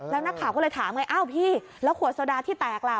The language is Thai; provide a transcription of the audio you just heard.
แล้วนักข่าวก็เลยถามไงอ้าวพี่แล้วขวดโซดาที่แตกล่ะ